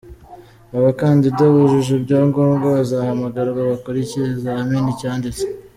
Abakandida bujuje ibyangombwa bazahamagarwa bakore ikizamini cyanditse.